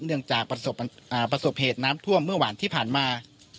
เนื่องจากประสบเหตุน้ำท่วมเมื่อวานที่ผ่านมา